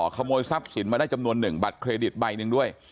ขโมยทรัพย์สินมาได้จำนวน๑บัตรเครดิตใบหนึ่งด้วย